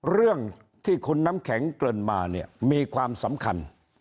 เรื่องที่คุณน้ำแข็งเกริ่นมาเนี่ยมีความสำคัญ